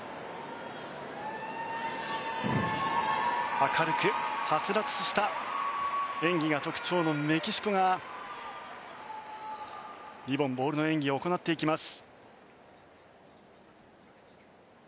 明るく、はつらつとした演技が特徴のメキシコがリボン・ボールの演技を行っていきます。